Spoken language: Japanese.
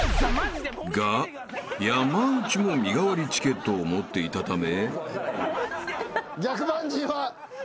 ［が山内も身代わりチケットを持っていたため］